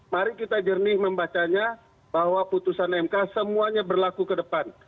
mari kita jernih membacanya bahwa putusan mk semuanya berlaku ke depan